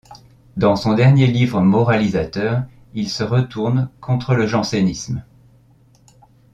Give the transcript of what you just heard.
Dans son dernier livre moralisateur, il se retourne contre le jansénisme.